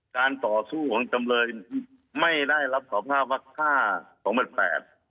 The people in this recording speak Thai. การต่อสู้ของกับจำเลยไม่ได้รับประภาพภาคค่า๒๘